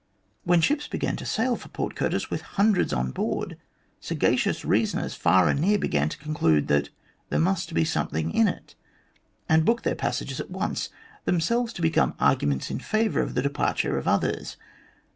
When ships began to sail for Port Curtis with hundreds on board, sagacious reasoners far and near began to conclude that " there must be something in it," and booked their passages at once them selves to become arguments in favour of the departure of others.